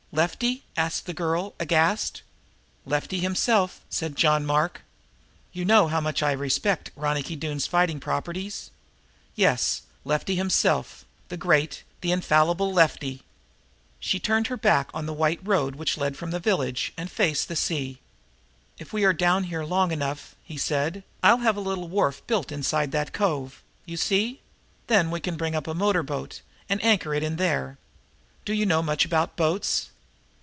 "Lefty?" asked the girl, aghast. "Lefty himself," said John Mark. "You see how much I respect Ronicky Doone's fighting properties? Yes, Lefty himself, the great, the infallible Lefty!" She turned her back on the white road which led from the village and faced the sea. "If we are down here long enough," he said, "I'll have a little wharf built inside that cove. You see? Then we can bring up a motor boat and anchor it in there. Do you know much about boats?"